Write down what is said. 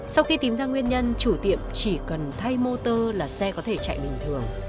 sau khi tìm ra nguyên nhân chủ tiệm chỉ cần thay motor là xe có thể chạy bình thường